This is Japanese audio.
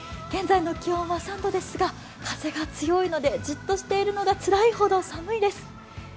現在の気温は３度ですが、風が強いので、じっとしているのがつらいほど寒いです。